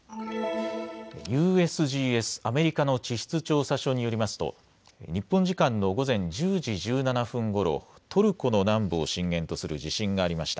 ＵＳＧＳ・アメリカの地質調査所によりますと日本時間の午前１０時１７分ごろトルコの南部を震源とする地震がありました。